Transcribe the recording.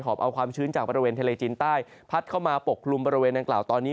บเอาความชื้นจากบริเวณทะเลจีนใต้พัดเข้ามาปกคลุมบริเวณดังกล่าวตอนนี้